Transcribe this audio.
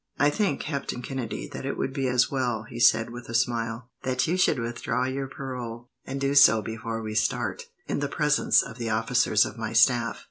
"I think, Captain Kennedy, that it would be as well," he said with a smile, "that you should withdraw your parole, and do so before we start, in the presence of the officers of my staff.